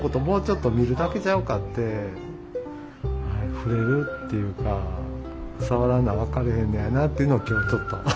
もうちょっと見るだけちゃうかってふれるっていうかさわらな分かれへんねやなっていうのを今日ちょっと。